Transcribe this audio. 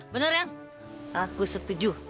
bener yang aku setuju